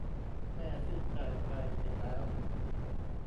แม่สิ้นใจไปเสียแล้ว